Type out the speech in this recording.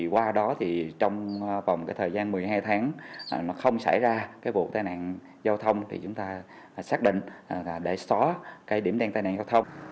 qua đó trong vòng thời gian một mươi hai tháng không xảy ra vụ tai nạn giao thông chúng ta xác định để xóa điểm đen tai nạn giao thông